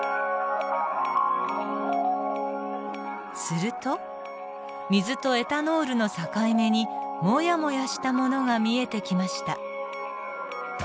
すると水とエタノールの境目にモヤモヤしたものが見えてきました。